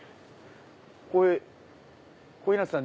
これ小日向さん